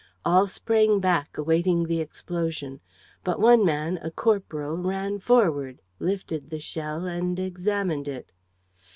All sprang back, awaiting the explosion. But one man, a corporal, ran forward, lifted the shell and examined it.